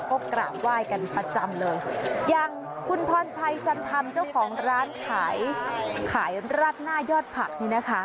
ก็กราบไหว้กันประจำเลยอย่างคุณพรชัยจันธรรมเจ้าของร้านขายขายราดหน้ายอดผักนี่นะคะ